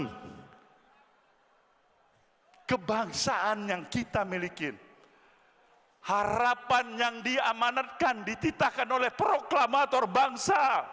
ini kebangsaan yang kita miliki harapan yang diamanatkan dititahkan oleh proklamator bangsa